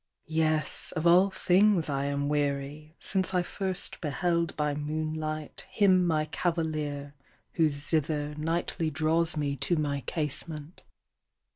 "Yes, of all things I am weary, Since I first beheld by moonlight, Him my cavalier, whose zither Nightly draws me to my casement.